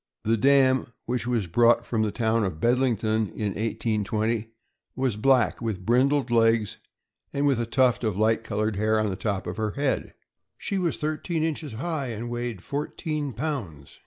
The dam, which was brought from the town of Bed lington, in 1820, was black, with brindled legs, and with a tuft of light colored hair on the top of her head; she was thirteen inches high, and weighed fourteen pounds.